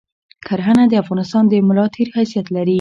کرهنه د افغانستان د ملاتیر حیثیت لری